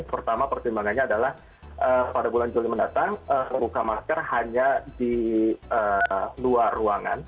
pertama pertimbangannya adalah pada bulan juli mendatang buka masker hanya di luar ruangan